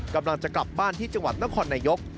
กำลังจะกลับบ้านที่จังหวัดนครนายก